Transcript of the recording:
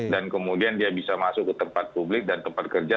dan kemudian dia bisa masuk ke tempat publik dan tempat kerja